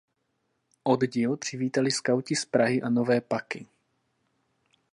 Oddíl přivítali skauti z Prahy a Nové Paky.